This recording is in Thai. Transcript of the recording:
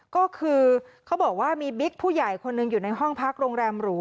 ก็คือเขาบอกว่ามีบิ๊กผู้ใหญ่คนหนึ่งอยู่ในห้องพักโรงแรมหรู